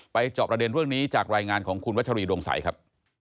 จอบประเด็นเรื่องนี้จากรายงานของคุณวัชรีดวงใสครับ